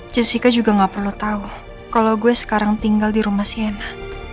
jessica juga gak perlu tahu kalau gue sekarang tinggal di rumah sienna